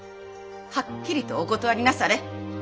はっきりとお断りなされ。